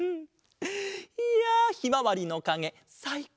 いやひまわりのかげさいこうだった！